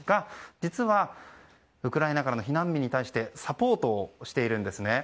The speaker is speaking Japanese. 実はウクライナからの避難民に対してサポートしているんですね。